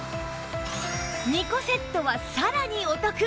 ２個セットはさらにお得